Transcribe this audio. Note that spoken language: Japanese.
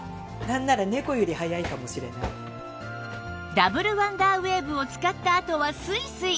ダブルワンダーウェーブを使ったあとはスイスイ！